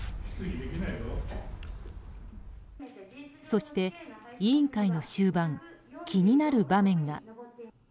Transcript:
そして委員会の終盤気になる場面が。